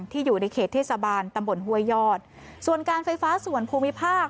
อยู่ในเขตเทศบาลตำบลห้วยยอดส่วนการไฟฟ้าส่วนภูมิภาค